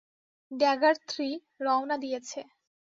Dagger three, রওনা দিয়েছে।